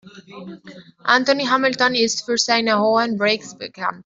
Anthony Hamilton ist für seine hohen Breaks bekannt.